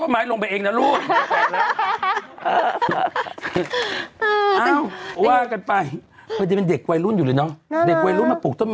มิ้นบอกว่าไม่ต้องเดินถึง๑๗๐๐กิโลกรัม